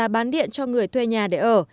bán điện cho người thuê nhà để ở